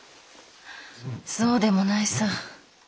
そうでもないさ。